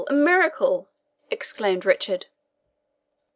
a miracle!" exclaimed Richard.